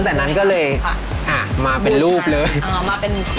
ตั้งแต่นั้นก็เลยมาเป็นรูปเลย